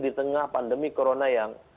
di tengah pandemi corona yang